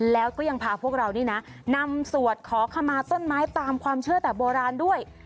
แล้วก็ยังพาพวกเรานี่นะนำสวดขอขมาต้นไม้ตามความเชื่อแต่โบราณด้วย